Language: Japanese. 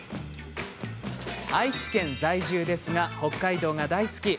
愛知県在住ですが北海道が大好き。